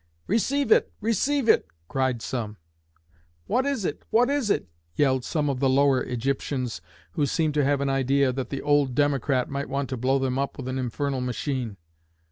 'Receive it!' 'Receive it!' cried some. 'What is it?' 'What is it?' yelled some of the lower Egyptians, who seemed to have an idea that the 'old Democrat' might want to blow them up with an infernal machine.